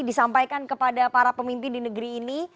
disampaikan kepada para pemimpin di negeri ini